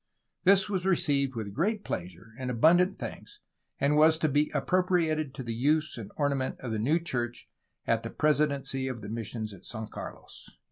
This was received with great pleasure, and abundant thanks, and was to be appropriated to the use and ornament of the new church at the presidency of the missions at St. Carlos."